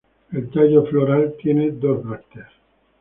El tallo floral tiene dos brácteas.